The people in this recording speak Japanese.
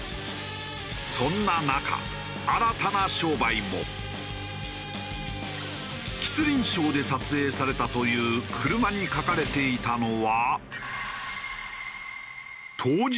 そんな中吉林省で撮影されたという車に書かれていたのは。